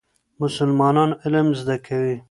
مسلمانان علم زده کوي.